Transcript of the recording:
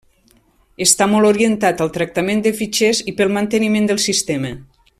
Està molt orientat al tractament de fitxers i pel manteniment del sistema.